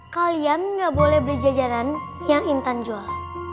kalian nggak boleh beli jajaran yang intan jual